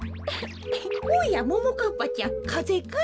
おやももかっぱちゃんかぜかい？